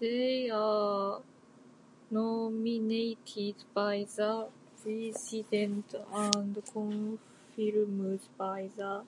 They are nominated by the President and confirmed by the Senate.